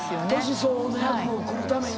年相応の役来るためにも。